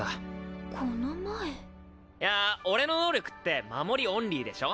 いやー俺の能力って守りオンリーでしょ？